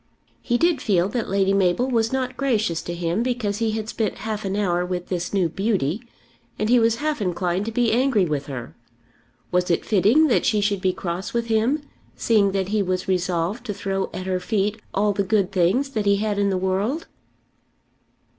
He did feel that Lady Mabel was not gracious to him because he had spent half an hour with this new beauty, and he was half inclined to be angry with her. Was it fitting that she should be cross with him, seeing that he was resolved to throw at her feet all the good things that he had in the world?